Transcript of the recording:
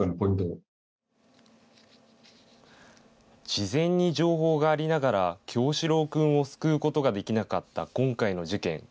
事前に情報がありながら叶志郎君を救うことができなかった今回の事件。